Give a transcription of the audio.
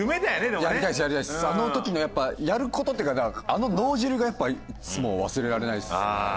あの時のやっぱやる事っていうかあの脳汁がやっぱいつも忘れられないですね。